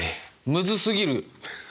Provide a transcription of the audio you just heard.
むずすぎる！